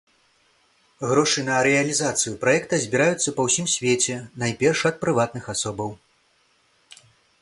Грошы на рэалізацыю праекта збіраюцца па ўсім свеце найперш ад прыватных асобаў.